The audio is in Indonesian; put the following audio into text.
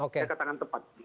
saya katakan tepat